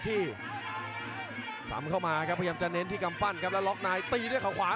มีโลกทั้ง๓ครับประยังจะเน้นความปลอดภัยที่กำฟันครับ